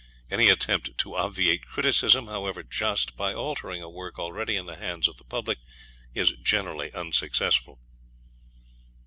Any attempt to obviate criticism, however just, by altering a work already in the hands of the public is generally unsuccessful.